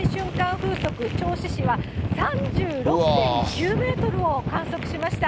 風速、銚子市は３６．９メートルを観測しました。